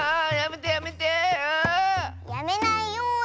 やめないよだ。